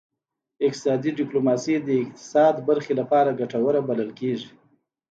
اقتصادي ډیپلوماسي د اقتصاد برخې لپاره ګټوره بلل کیږي